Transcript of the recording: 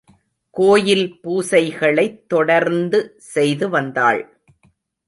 கோயில் பூசை களைத் தொடர்ந்து செய்து வந்தாள்.